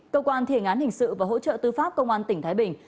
cơ quan thiền án hình sự và hỗ trợ tư pháp công an tỉnh thái bình